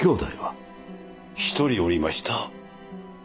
１人おりました。